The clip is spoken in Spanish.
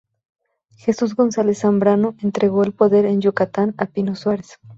Jesús González Zambrano entregó el poder en Yucatán a Pino Suárez.